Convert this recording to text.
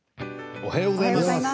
おはようございます。